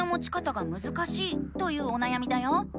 というおなやみだよ。